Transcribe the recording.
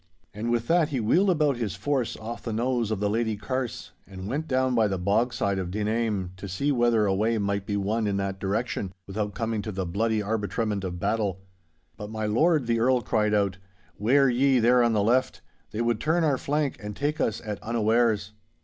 And with that he wheeled about his force off the knows of the Lady Carse, and went down by the bogside of Dinhame, to see whether a way might be won in that direction, without coming to the bloody arbitrament of battle. But my lord the Earl cried out, 'Ware ye, there on the left. They would turn our flank and take us at unawares!